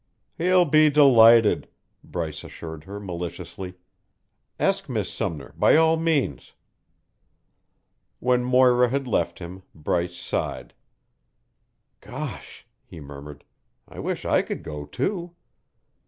"He'll be delighted," Bryce assured her maliciously. "Ask Miss Sumner, by all means." When Moira had left him, Bryce sighed. "Gosh!" he murmured. "I wish I could go, too."